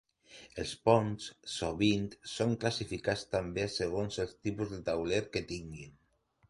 Els ponts sovint són classificats també segons el tipus de tauler que tinguin.